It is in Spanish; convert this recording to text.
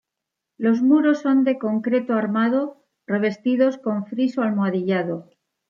Los muros son de concreto armado, revestidos con friso almohadillado.